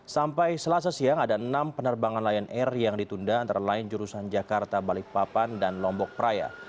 sampai selasa siang ada enam penerbangan lion air yang ditunda antara lain jurusan jakarta balikpapan dan lombok praia